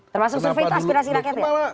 termasuk survei itu aspirasi rakyat ya